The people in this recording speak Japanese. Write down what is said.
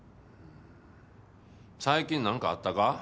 最近なんかあったか？